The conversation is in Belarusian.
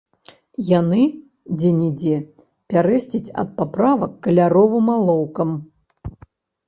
Яны дзе-нідзе пярэсцяць ад паправак каляровым алоўкам.